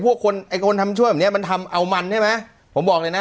คนไอ้คนทำช่วยแบบเนี้ยมันทำเอามันใช่ไหมผมบอกเลยนะ